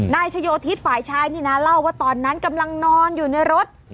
นายชโยธิศฝ่ายชายนี่นะเล่าว่าตอนนั้นกำลังนอนอยู่ในรถ